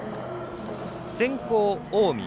先攻、近江。